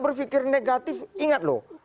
berpikir negatif ingat loh